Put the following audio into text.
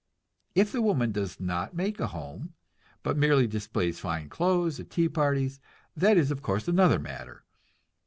If the woman does not make a home, but merely displays fine clothes at tea parties, that is of course another matter.